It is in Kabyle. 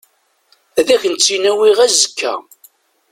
Ad akent-tt-in-awiɣ azekka.